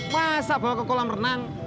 masa bawa ke kolam renang